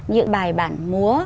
những bài bản múa